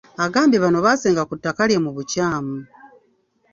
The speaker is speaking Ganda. Agambye bano baasenga ku ttaka lye mu bukyamu.